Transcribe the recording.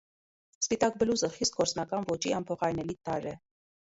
Սպիտակ բլուզը խիստ գործնական ոճի անփոխարինելի տարր է։